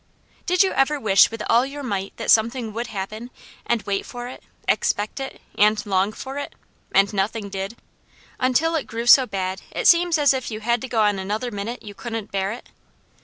Did you ever wish with all your might that something would happen, and wait for it, expect it, and long for it, and nothing did, until it grew so bad, it seemed as if you had to go on another minute you couldn't bear it?